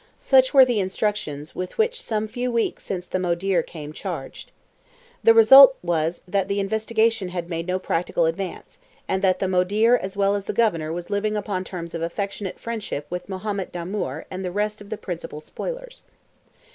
Such were the instructions with which some few weeks since the Modeer came charged. The result was that the investigation had made no practical advance, and that the Modeer as well as the Governor was living upon terms of affectionate friendship with Mohammed Damoor and the rest of the principal spoilers.